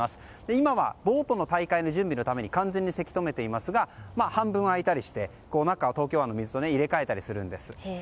今は、ボートの大会の準備のため完全にせき止めていますが半分開いたりして、中を東京湾の水と入れ替えたりするんです。